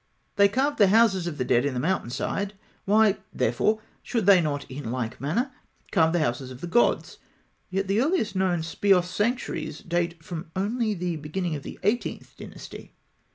They carved the houses of the dead in the mountain side; why, therefore, should they not in like manner carve the houses of the gods? Yet the earliest known Speos sanctuaries date from only the beginning of the Eighteenth Dynasty.